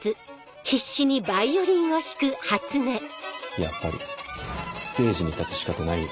やっぱりステージに立つ資格ないよ